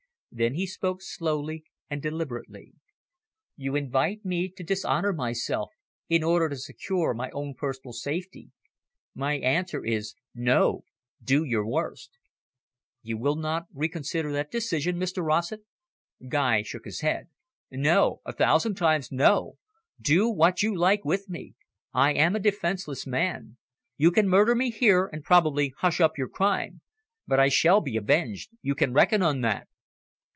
Then he spoke slowly and deliberately. "You invite me to dishonour myself, in order to secure my own personal safety. My answer is, No. Do your worst." "You will not reconsider that decision, Mr Rossett?" Guy shook his head. "No, a thousand times, no. Do what you like with me. I am a defenceless man. You can murder me here, and probably hush up your crime. But I shall be avenged you can reckon on that."